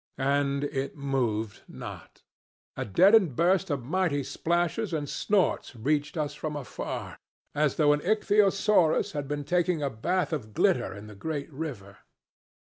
And it moved not. A deadened burst of mighty splashes and snorts reached us from afar, as though an ichthyosaurus had been taking a bath of glitter in the great river.